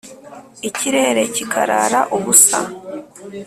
Ikirere kirara ubusa